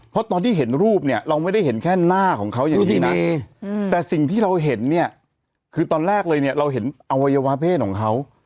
เพราะตอนที่เห็นรูปเนี่ยเราไม่ได้เห็นแค่หน้าของเขาอย่างนี้นะแต่สิ่งที่เราเห็นเนี่ยคือตอนแรกเลยเนี่ยเราเห็นอวัยวะเพศของเขา